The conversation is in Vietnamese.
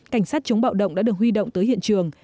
cảnh sát chống bạo động đã được huy động tới hiện trường